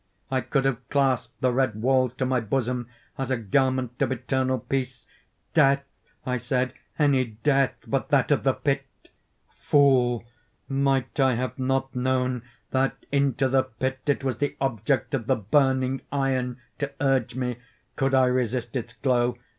I could have clasped the red walls to my bosom as a garment of eternal peace. "Death," I said, "any death but that of the pit!" Fool! might I have not known that into the pit it was the object of the burning iron to urge me? Could I resist its glow?